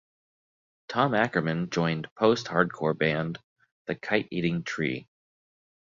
Tom Ackerman joined Post-Hardcore band, The Kite-Eating Tree.